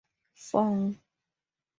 Fong.